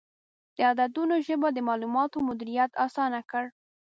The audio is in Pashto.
د عددونو ژبه د معلوماتو مدیریت اسانه کړ.